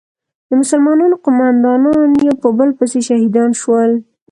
د مسلمانانو قومندانان یو په بل پسې شهیدان شول.